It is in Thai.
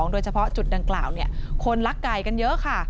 โดยเฉพาะจุดดังกล่าวคนรักไก่กันเยอะค่ะ